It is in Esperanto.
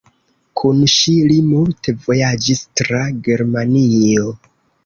Kun ŝi li multe vojaĝis tra Germanio.